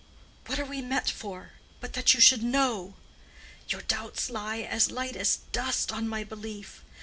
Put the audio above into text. What are we met for, but that you should know. Your doubts lie as light as dust on my belief.